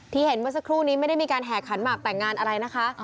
เห็นเมื่อสักครู่นี้ไม่ได้มีการแห่ขันหมากแต่งงานอะไรนะคะ